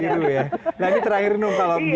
nah ini terakhir num